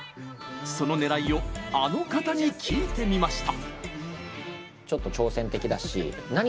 そのねらいをあの方に聞いてみました。